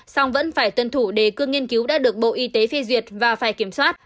song vẫn phải tuân thủ đề cương nghiên cứu đã được bộ y tế phê duyệt và phải kiểm soát